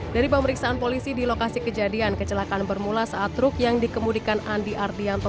dari pemeriksaan polisi di lokasi kejadian kecelakaan bermula saat truk yang dikemudikan andi ardianto